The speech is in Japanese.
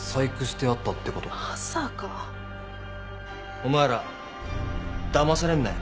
お前らだまされんなよ。